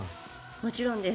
もちろんです。